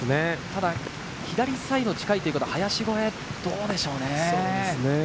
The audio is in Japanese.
ただ左サイドが近いということは林越えはどうでしょうね。